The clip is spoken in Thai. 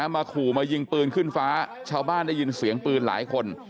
มาขู่มายิงปืนขึ้นฟ้าชาวบ้านได้ยินเสียงปืนหลายคน